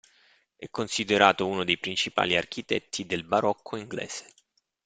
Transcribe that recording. È considerato uno dei principali architetti del barocco inglese.